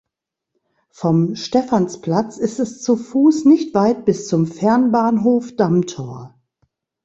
Vom Stephansplatz ist es zu Fuß nicht weit bis zum Fernbahnhof Dammtor.